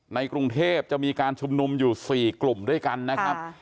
ในกรุงเทพจะมีการชุมนุมอยู่๔กลุ่มด้วยกันนะครับ